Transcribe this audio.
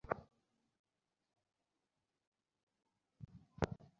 তাঁদের মধ্যে পলাশসহ দুজনকে ঢাকা মেডিকেল কলেজ হাসপাতালে ভর্তি করা হয়েছে।